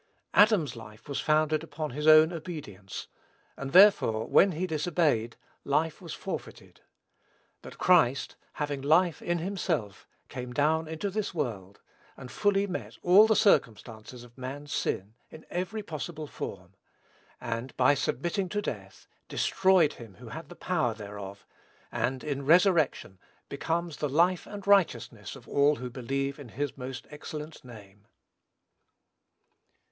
Adam's life was founded upon his own obedience; and, therefore, when he disobeyed, life was forfeited. But Christ, having life in himself, came down into this world, and fully met all the circumstances of man's sin, in every possible form; and, by submitting to death, destroyed him who had the power thereof, and, in resurrection, becomes the Life and Righteousness of all who believe in his most excellent name.